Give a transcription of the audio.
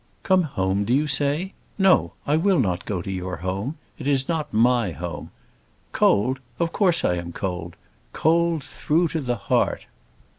Come home, do you say? No, I will not go to your home. It is not my home. Cold; of course I am cold; cold through to the heart."